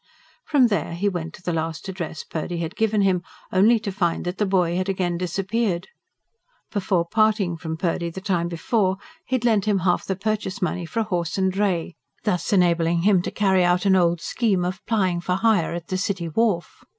From there he went to the last address Purdy had given him; only to find that the boy had again disappeared. Before parting from Purdy, the time before, he had lent him half the purchase money for a horse and dray, thus enabling him to carry out an old scheme of plying for hire at the city wharf.